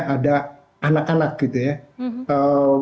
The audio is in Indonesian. ada anak anak gitu ya